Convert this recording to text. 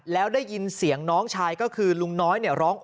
แล้วได้ยินเสียงน้องชายก็คือลุงน้อยเนี่ยร้อง